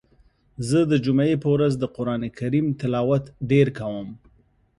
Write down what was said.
زه د جمعی په ورځ د قرآن کریم تلاوت ډیر کوم.